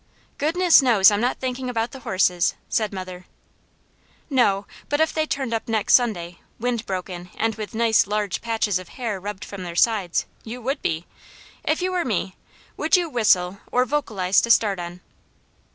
"Goodness knows I'm not thinking about the horses," said mother. "No, but if they turned up next Sunday, wind broken, and with nice large patches of hair rubbed from their sides, you would be! If you were me, would you whistle, or vocalize to start on?"